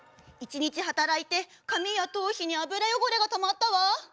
一日働いて髪や頭皮に油汚れがたまったわ。